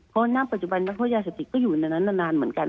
เพราะว่าหน้าปัจจุบันนักธุรกิจยาศติกก็อยู่ในนั้นนานเหมือนกัน